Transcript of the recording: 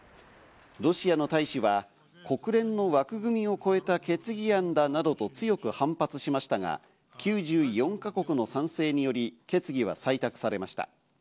ロシアの大使は国連の枠組みを超えた決議案だなどと強く反発しましたが、９４か国の賛成により決議は採択されました。